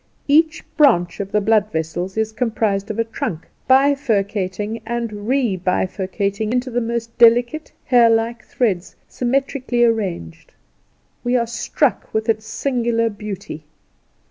Each branch of the blood vessels is comprised of a trunk, bifurcating and rebifurcating into the most delicate, hair like threads, symmetrically arranged. We are struck with its singular beauty.